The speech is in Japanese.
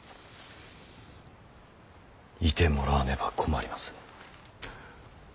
いてもらわねば困ります。